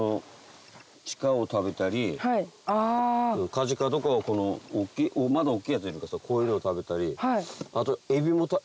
カジカとかはまだ大っきいやついるからさこういうのを食べたり。